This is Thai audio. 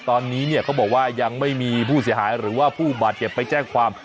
ตอนนี้เนี่ยเขาบอกว่ายังไม่มีผู้เสียหายหรือว่าผู้บาดเจ็บไปแจ้งความ